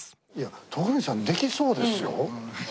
徳光さんできそうですよ。